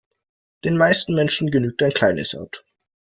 Den meisten Menschen genügt ein kleines Auto.